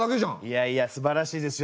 いやいやすばらしいですよ